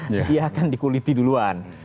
dia akan dikuliti duluan